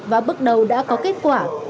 và bước đầu đã có kết quả